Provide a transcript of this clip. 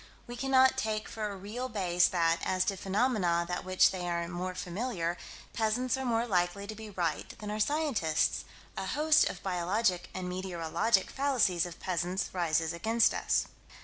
We cannot take for a real base that, as to phenomena with which they are more familiar, peasants are more likely to be right than are scientists: a host of biologic and meteorologic fallacies of peasants rises against us.